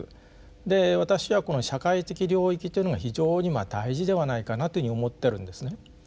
で私はこの社会的領域というのが非常に大事ではないかなというふうに思ってるんですね。